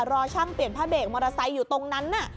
รอช่างเปลี่ยนผ้าเบรกมอเตอร์ไซค์อยู่ตรงนั้นน่ะ